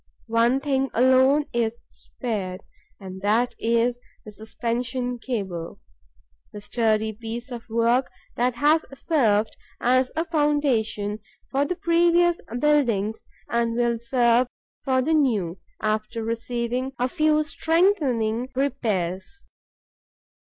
One thing alone is spared and that is the suspension cable, the sturdy piece of work that has served as a foundation for the previous buildings and will serve for the new after receiving a few strengthening repairs.